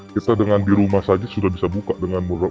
kita dengan di rumah saja sudah bisa buka dengan mudah